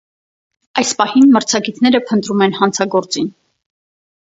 Այս պահին մրցակիցները փնտրում են հանձագործին։